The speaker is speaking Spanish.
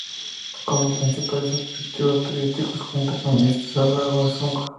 Como principales atractivos turísticos cuenta con vistas al lago de Zug.